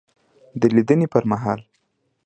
دلیدني پر مهال